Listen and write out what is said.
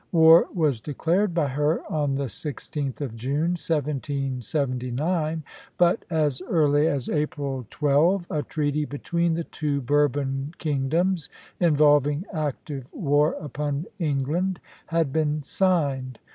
War was declared by her on the 16th of June, 1779; but as early as April 12, a treaty between the two Bourbon kingdoms, involving active war upon England, had been signed.